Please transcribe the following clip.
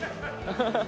ハハハッ。